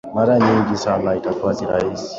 mara nyingi sana itakuwa ni rahisi